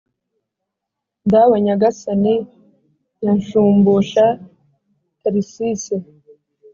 dawe nyagasani ya nshumbusha tharcisse